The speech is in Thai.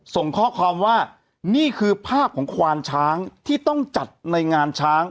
ส่งข้อความว่านี่คือภาพของควานช้างที่ต้องจัดในงานช้าง